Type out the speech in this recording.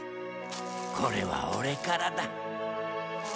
これはオレからだ。